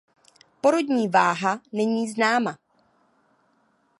Porodní váha není známa.